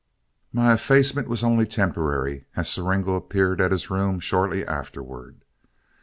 My effacement was only temporary, as Siringo appeared at his room shortly afterward.